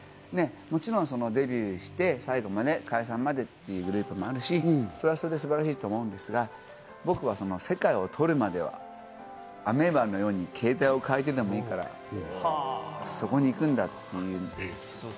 もちろんデビューして最後まで、解散までというグループもあるし、それはそれで素晴らしいと思うんですが、僕は世界を取るまではアメーバのように形態を変えてでもいいからそこに行くんだっていう。